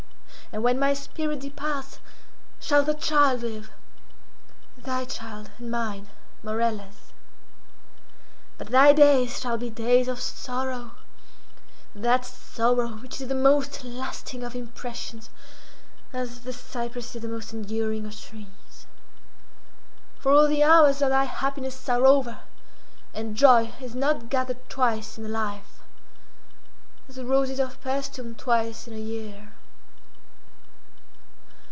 And when my spirit departs shall the child live—thy child and mine, Morella's. But thy days shall be days of sorrow—that sorrow which is the most lasting of impressions, as the cypress is the most enduring of trees. For the hours of thy happiness are over and joy is not gathered twice in a life, as the roses of Paestum twice in a year.